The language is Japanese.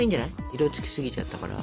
色付きすぎちゃったから。